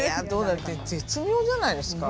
だって絶妙じゃないですか。